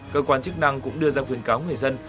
cơ quan chức năng cũng đưa ra khuyến cáo người dân